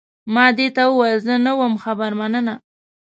ما دې ته وویل، زه نه وم خبر، مننه.